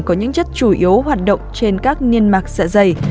có những chất chủ yếu hoạt động trên các niên mạc dạ dày